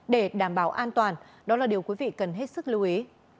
để đảm bảo an toàn đó là điều quý vị cần hết sức lưu ý